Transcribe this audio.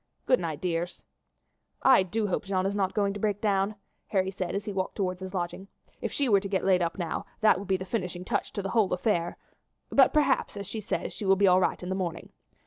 Good night, dears!" "I do hope Jeanne is not going to break down," Harry said as he walked towards his lodging. "If she were to get laid up now that would be the finishing touch to the whole affair; but perhaps, as she says, she will be all right in the morning.